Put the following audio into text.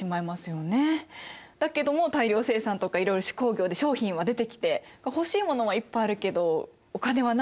だけども大量生産とかいろいろ手工業で商品は出てきて欲しいものはいっぱいあるけどお金はないみたいな。